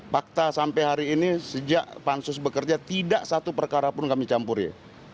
fakta sampai hari ini sejak pansus bekerja tidak satu perkara pun kami campuri